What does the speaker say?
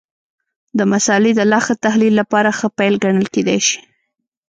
د مسألې د لا ښه تحلیل لپاره ښه پیل ګڼل کېدای شي.